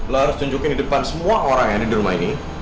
lo harus tunjukin di depan semua orang yang ada di rumah ini